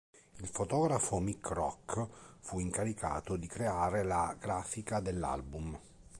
Il fotografo Mick Rock fu incaricato di creare la grafica dell'album.